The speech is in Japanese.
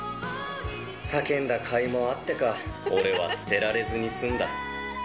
叫んだかいもあってか、俺は捨てられずに済んだ。